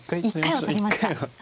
一回は取りました。